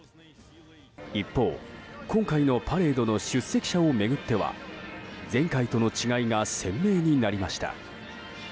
一方、今回のパレードの出席者を巡っては前回との違いが鮮明になりました。